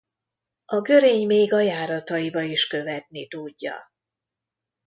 A görény még a járataiba is követni tudja.